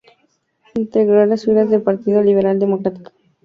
Integró las filas del Partido Liberal Democrático.